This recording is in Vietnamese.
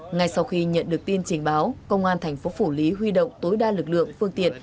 ngay sau khi nhận được tin trình báo công an thành phố phủ lý huy động tối đa lực lượng phương tiện